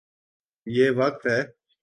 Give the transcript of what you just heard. یہ وقت ہے۔